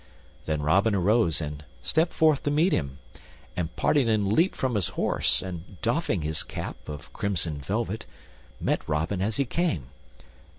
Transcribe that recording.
Then Robin arose and stepped forth to meet him, and Partington leaped from his horse and doffing his cap of crimson velvet, met Robin as he came.